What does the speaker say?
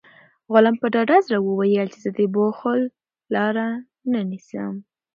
غلام په ډاډه زړه وویل چې زه د بخل لاره نه نیسم.